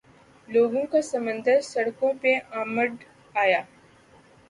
لوگوں کا سمندر سڑکوں پہ امڈآیا۔